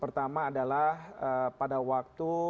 pertama adalah pada waktu